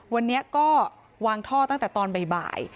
วันนี้ก็วางท่อตั้งแต่ตอนบ่าย